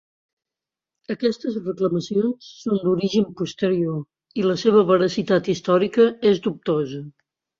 Aquestes reclamacions són d'origen posterior i la seva veracitat històrica és dubtosa.